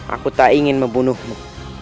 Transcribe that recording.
aku tak ingin membunuhmu